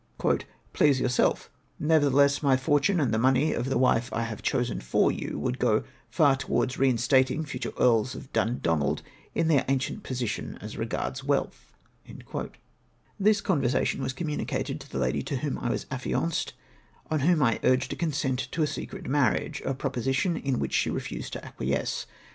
" Please yom^self : nevertheless, my fortune and the money of the wife I have chosen for you, would go far towards reinstating future Earls of Dundonald in their ancient position as regards wealth." UNFORESEEN DIFFICULTIES. 271 This conversation was communicated to the lady to whom I was affianced, on whom I urged a consent to a secret marriage, — a proposition in which she re fused to acquiesce.